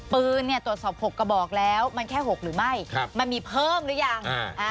ปืนตรวจสอบ๖กระบอกแล้วมันแค่๖หรือไม่มันมีเพิ่มหรือยัง